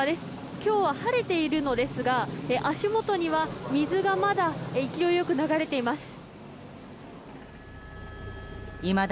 今日は晴れているのですが足元には、水がまだ勢いよく流れています。